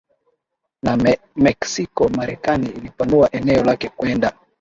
na Meksiko Marekani ilipanua eneo lake kwenda